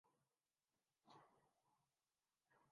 یہی معاملہ دوسری عصبیتوں کا بھی ہے۔